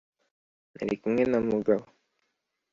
Nali kumwe na Mugabo.